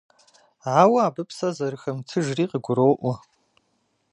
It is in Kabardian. Ауэ абы псэ зэрыхэмытыжри къыгуроӀуэ.